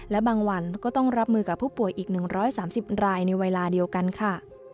และบางวันก็ต้องรับมือกับผู้ป่วยอีก๑๓๐รายในเวลาเดียวกันค่ะ